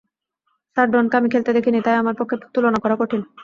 Sir ডনকে আমি খেলতে দেখিনি, তাই আমার পক্ষে তুলনা করা কঠিন।